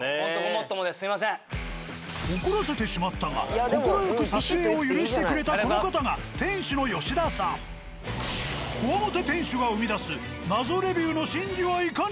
怒らせてしまったが快く撮影を許してくれたこの方がこわもて店主が生み出す謎レビューの真偽はいかに。